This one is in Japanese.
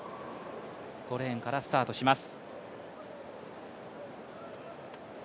５レーンからスタートします。